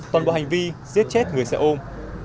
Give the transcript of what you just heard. toàn bộ hành vi giết chết người xe ôm